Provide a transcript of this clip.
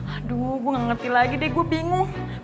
aduh gue gak ngerti lagi deh gue bingung